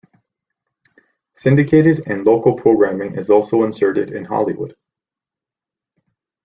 Syndicated and local programming is also inserted in Hollywood.